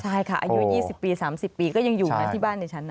ใช่ค่ะอายุ๒๐ปี๓๐ปีก็ยังอยู่นะที่บ้านดิฉันนะ